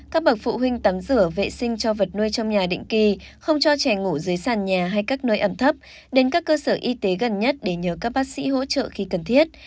các bậc phụ huynh tắm rửa vệ sinh cho vật nuôi trong nhà định kỳ không cho trẻ ngủ dưới sàn nhà hay các nơi ẩm thấp đến các cơ sở y tế gần nhất để nhờ các bác sĩ hỗ trợ khi cần thiết